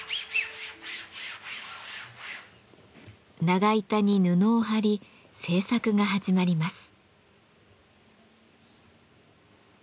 長板に布を張り制作が始まります。